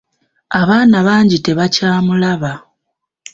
Abaana bangi tabakyamulaba.